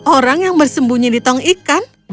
orang yang bersembunyi di tong ikan